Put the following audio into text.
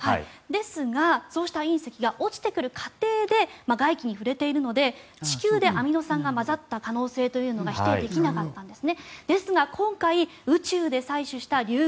ですがそうした隕石が落ちてくる過程で外気に触れているので地球でアミノ酸が混ざった可能性というのが否定できなかったんです。